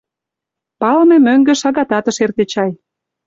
Палыме мӧҥгӧ шагатат ыш эрте чай.